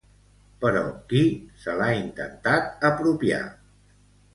Però qui se l'ha intentat apropiar?